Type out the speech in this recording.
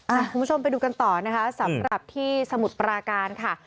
คุณผู้ชมไปดูกันต่อนะคะสำหรับที่สมุทรปราการค่ะ